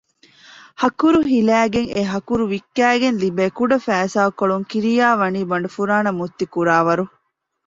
ހަކުރު ހިލައިގެން އެހަކުރު ވިއްކައިގެން ލިބޭ ކުޑަ ފައިސާކޮޅުން ކިރިޔާވަނީ ބަނޑުފުރާނަ މުއްތިކުރާވަރު